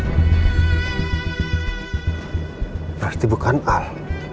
berarti bukan al